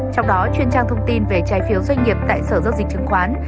trong đó chuyên trang thông tin về trái phiếu doanh nghiệp tại sở giao dịch chứng khoán